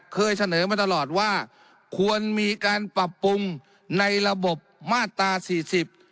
เคยเสนอมาตลอดว่าควรมีการปรับปรุงในระบบมาตราสี่สิบ